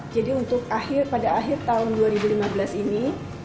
jadi untuk akhir pada akhir tahun dua ribu lima belas ini